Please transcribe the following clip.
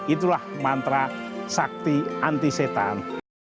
itulah mantra sakti anti setan